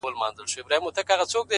هره شېبه;